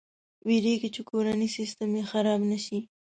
ویرېږي چې کورنی سیسټم یې خراب نه شي.